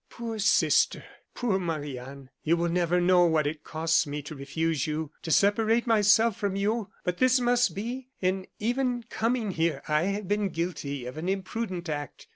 "Poor sister poor Marie Anne you will never know what it costs me to refuse you, to separate myself from you. But this must be. In even coming here I have been guilty of an imprudent act.